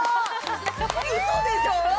嘘でしょ！？